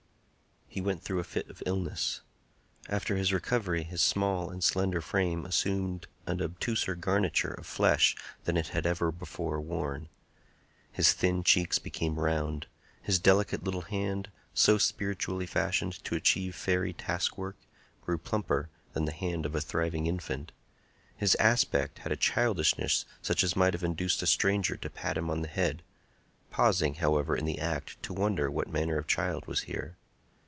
He went through a fit of illness. After his recovery his small and slender frame assumed an obtuser garniture of flesh than it had ever before worn. His thin cheeks became round; his delicate little hand, so spiritually fashioned to achieve fairy task work, grew plumper than the hand of a thriving infant. His aspect had a childishness such as might have induced a stranger to pat him on the head—pausing, however, in the act, to wonder what manner of child was here.